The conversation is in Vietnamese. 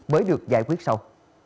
mới được giải quyết sau